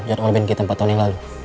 jadwal bnk tempat tahun yang lalu